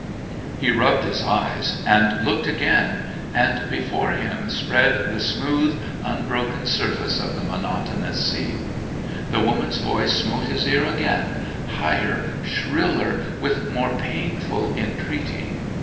He rubbed his eyes and looked again and before him spread the smooth unbroken surface of the monotonous sea. The woman's voice smote his ear again, higher, shriller, with more painful entreaty.